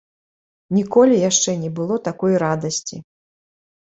Ніколі яшчэ не было такой радасці.